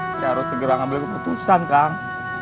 saya harus segera mengambil keputusan kang